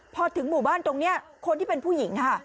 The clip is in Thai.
พอถึงหมู่บ้านตรงนี้คนที่เป็นผู้หญิงค่ะ